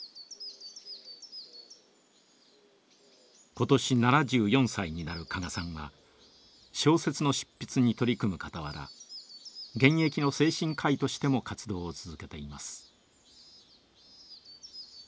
今年７４歳になる加賀さんは小説の執筆に取り組むかたわら現役の精神科医としても活動を続けています。